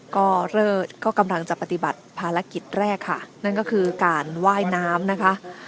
ก็กำลังจะปฏิบัติภารกิจแรกค่ะนั่นก็คือการว่ายน้ำนะคะ